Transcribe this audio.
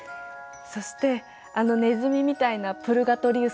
そしてあのネズミみたいなプルガトリウスが人間に。